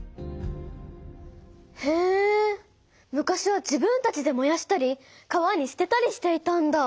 へえ昔は自分たちでもやしたり川にすてたりしていたんだ。